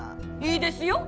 いいですよ！